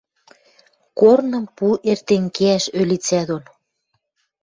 Корным пу эртен кеӓш ӧлицӓ дон